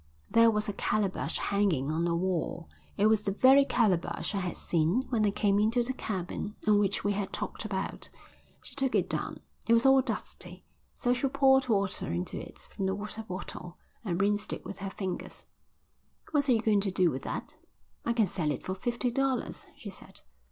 There was a calabash hanging on the wall. It was the very calabash I had seen when I came into the cabin and which we had talked about. She took it down. It was all dusty, so she poured water into it from the water bottle, and rinsed it with her fingers. "What are you doing with that?" "I can sell it for fifty dollars," she said.